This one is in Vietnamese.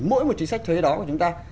mỗi một chính sách thuế đó của chúng ta